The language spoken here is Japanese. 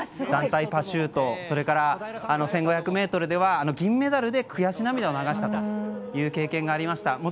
団体パシュートそれから１５００ｍでは銀メダルで悔し涙を流したという経験がありました。